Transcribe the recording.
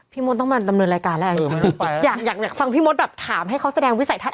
พี่มดต้องมาดำเนินรายการแรกจริงอยากฟังพี่มดแบบถามให้เขาแสดงวิสัยทัศน์